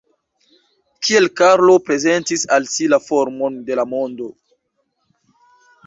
Kiel Karlo prezentis al si la formon de la mondo?